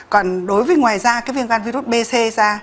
còn đối với ngoài ra cái viêm gan virus b c ra